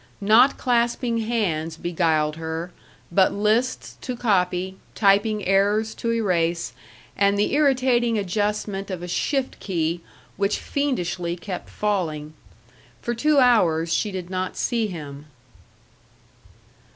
Not clasping hands beguiled her, but lists to copy, typing errors to erase, and the irritating adjustment of a shift key which fiendishly kept falling. For two hours she did not see him.